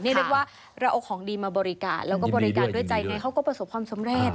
เรียกว่าเราเอาของดีมาบริการแล้วก็บริการด้วยใจไงเขาก็ประสบความสำเร็จ